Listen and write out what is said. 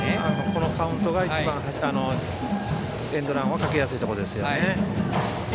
このカウントが一番エンドランはかけやすいところですね。